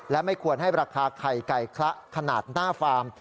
และไม่ควรให้ราคาไข่ไก่คละขนาดหน้าฟาร์ม